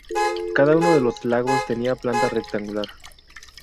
Cada uno de los lagos tenía planta rectangular.